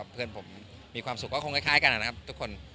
เพื่อนผมมีความสุขก็คงคล้ายกันนะครับทุกคน